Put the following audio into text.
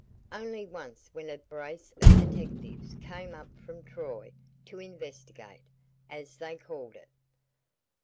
"Only once when a brace of detectives came up from Troy to investigate, as they called it."